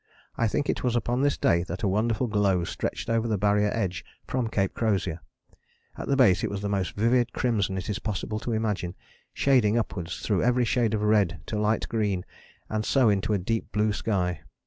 I think it was upon this day that a wonderful glow stretched over the Barrier edge from Cape Crozier: at the base it was the most vivid crimson it is possible to imagine, shading upwards through every shade of red to light green, and so into a deep blue sky.